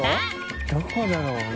どこだろうな？